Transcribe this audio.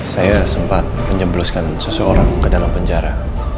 saya sempat menjembloskan seseorang ke dalam penjara